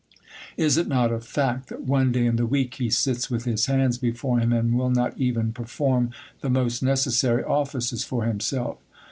Is it not a fact, that one day in the week he sits with his hands before him, and will not even per form the most necessary offices for himself?